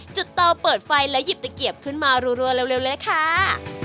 จุดโตเปิดไฟและหยิบตะเกียบขึ้นมารัวเร็วเลยค่ะ